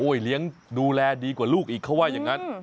เลี้ยงดูแลดีกว่าลูกอีกเขาว่าอย่างนั้น